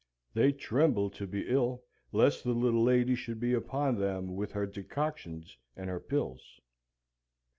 They trembled to be ill, lest the little lady should be upon them with her decoctions and her pills.